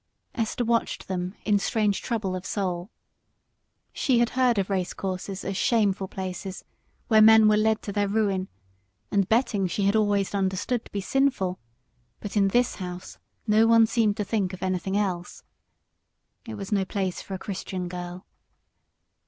Esther watched them in strange trouble of soul. She had heard of racecourses as shameful places where men were led to their ruin, and betting she had always understood to be sinful, but in this house no one seemed to think of anything else. It was no place for a Christian girl.